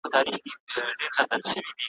څوک چي په ژوند کي سړی آزار کي ,